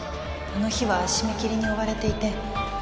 あの日は締め切りに追われていて。